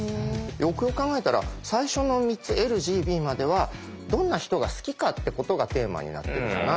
よくよく考えたら最初の３つＬＧＢまではどんな人が好きかってことがテーマになってるじゃない？